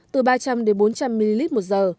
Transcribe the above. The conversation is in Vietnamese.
từ ba trăm linh bốn trăm linh ml một giờ